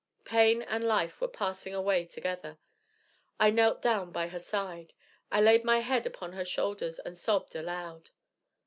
Pain and life were passing away together. I knelt down by her side. I laid my head upon her shoulders, and sobbed aloud.